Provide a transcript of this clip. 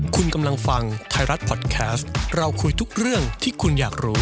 คุณกำลังฟังไทยรัฐพอดแคสต์เราคุยทุกเรื่องที่คุณอยากรู้